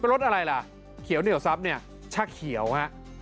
รถอะไรล่ะเขียวเหนียวซับเนี่ยชาเขียวฮะ